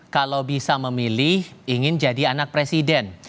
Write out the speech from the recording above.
kalau bisa memilih ingin jadi anak presiden